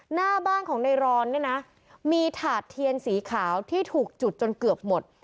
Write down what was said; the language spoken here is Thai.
หน้าบ้านของในรอนเนี่ยนะมีถาดเทียนสีขาวที่ถูกจุดจนเกือบหมด